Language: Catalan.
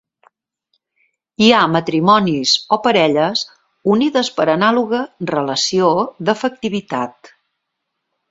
Hi ha matrimonis o parelles unides per anàloga relació d'afectivitat.